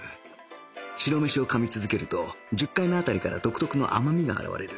白飯を噛み続けると１０回目あたりから独特の甘みが現れる